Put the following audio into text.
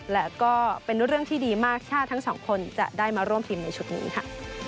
และก็เป็นเรื่องที่ดีมากถ้าทั้งสองคนจะได้มาร่วมทีมในชุดนี้ค่ะ